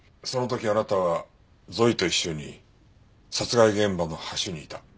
その時あなたはゾイと一緒に殺害現場の橋にいた。